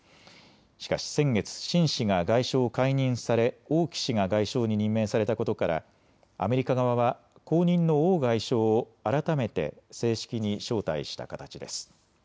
しかし先月、秦氏が外相を解任され王毅氏が外相に任命されたことからアメリカ側は後任の王外相を改めて正式に招待した形です。